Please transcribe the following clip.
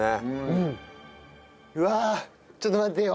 うわちょっと待ってよ。